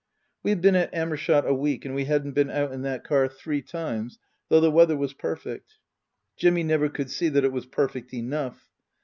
We had been at Amershott a week and we hadn't been out in that car three times, though the weather was perfect. Jimmy never could see that it was perfect enough.